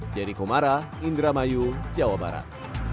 jericho mara indramayu jawa barat